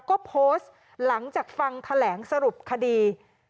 ก็โพสต์หลังจากฟังแถลงสรุปคดี